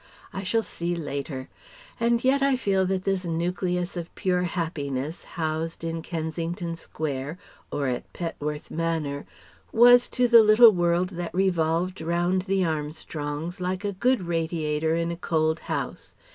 I shall see, later. And yet I feel that this nucleus of pure happiness housed in Kensington Square or at Petworth Manor was to the little world that revolved round the Armstrongs like a good radiator in a cold house.